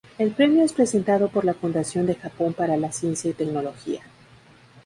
El premio es presentado por la Fundación de Japón para la Ciencia y Tecnología.